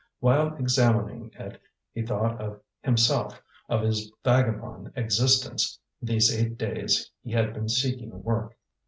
While examining it, he thought of himself, of his vagabond existence these eight days he had been seeking work.